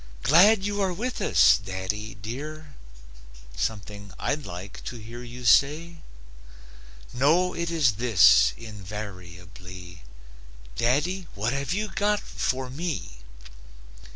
"Glad you are with us, daddy, dear?" Something I'd like to hear you say? No, it is this, invariably: "Daddy, what have you got for me?"